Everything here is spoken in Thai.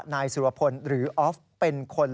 นายสุรพลหรือออฟเป็นคน